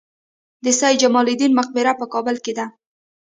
د سید جمال الدین مقبره په کابل کې ده